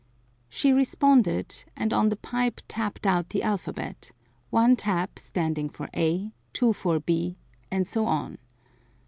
She responded, and on the pipe tapped out the alphabet, one tap standing for "a", two for "b" and so on.